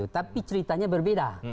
tapi ceritanya berbeda